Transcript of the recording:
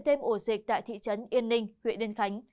thêm ổ dịch tại thị trấn yên ninh huyện yên khánh